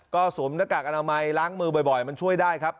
ก็สวมหน้ากากอนามัยล้างมือบ่อยมันช่วยได้ครับ